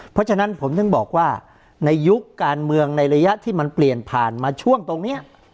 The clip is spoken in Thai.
เพราะฉะนั้นผมถึงบอกว่าในยุคการเมืองในระยะที่มันเปลี่ยนผ่านมาช่วงตรงนี้